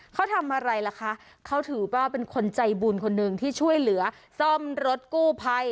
เขาทำอะไรล่ะคะเขาถือว่าเป็นคนใจบุญคนหนึ่งที่ช่วยเหลือซ่อมรถกู้ภัย